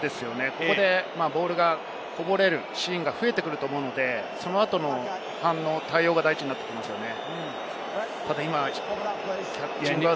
ここでボールがこぼれるシーンが増えてくると思うので、その後の対応が大事になってくるんですよね。